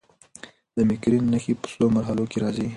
د مېګرین نښې په څو مرحلو کې راځي.